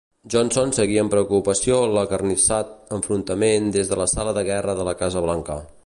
Johnson seguia amb preocupació l'acarnissat enfrontament des de la sala de guerra de la Casa Blanca.